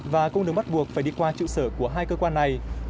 và cũng được bắt buộc phải đi qua trụ sở của hai cơ quan này